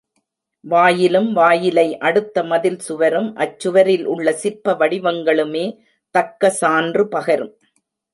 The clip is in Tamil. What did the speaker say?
வாயிலும் வாயிலை அடுத்த மதில் சுவரும் அச்சுவரில் உள்ள சிற்ப வடிவங்களுமே தக்க சான்று பகரும்.